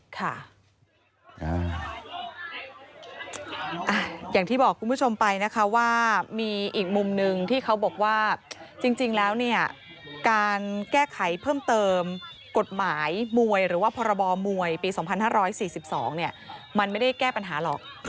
อย่างที่บอกคุณผู้ชมไปนะคะว่ามีอีกมุมหนึ่งที่เขาบอกว่าจริงแล้วเนี่ยการแก้ไขเพิ่มเติมกฎหมายมวยหรือว่าพรบมวยปี๒๕๔๒มันไม่ได้แก้ปัญหาหรอก